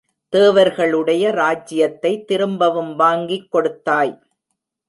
தேவர்களுடைய ராஜ்யத்தைத் திரும்பவும் வாங்கிக் கொடுத்தாய்.